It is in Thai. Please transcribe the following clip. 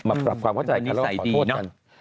มาผลัพความเข้าใจไทยเท่านั้นก็ตอนนี้ใส่ดีน่ะ